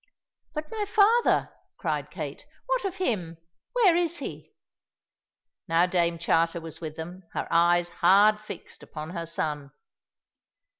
"But my father," cried Kate, "what of him? Where is he?" Now Dame Charter was with them, her eyes hard fixed upon her son.